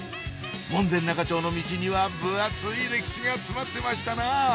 門前仲町のミチには分厚い歴史が詰まってましたな